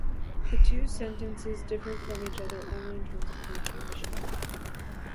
The two given sentences differ from each other only in terms of punctuation.